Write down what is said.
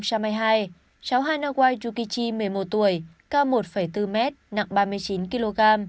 cháu hai nagai yukichi một mươi một tuổi cao một bốn mét nặng ba mươi chín kg